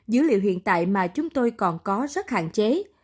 dữ liệu hiện tại mà chúng tôi còn có rất hạn chế